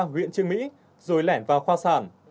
huyện trương mỹ rồi lẻn vào khoa sản